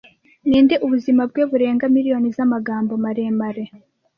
Ninde ubuzima bwe burenga miliyon z'amagambo maremare